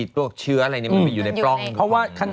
โรคเชื้ออะไรนี่มัน